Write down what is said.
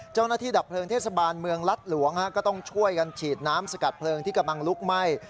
ดับเพลิงเทศบาลเมืองรัฐหลวงก็ต้องช่วยกันฉีดน้ำสกัดเพลิงที่กำลังลุกไหม้